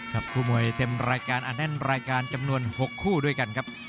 คู่มวยเต็มรายการอาแน่นรายการจำนวน๖คู่ด้วยกันครับ